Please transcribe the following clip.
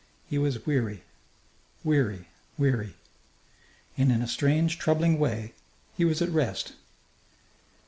He was weary, weary, weary. And in a strange, troubling way he was at rest.